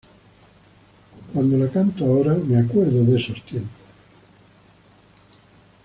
Cuando la canto ahora, me recuerda a esos tiempos".